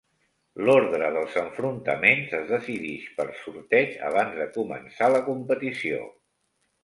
L'ordre dels enfrontaments es decidix per sorteig abans de començar la competició.